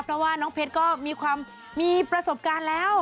เพราะว่าน้องเพชรก็มีความมีประสบการณ์แล้ว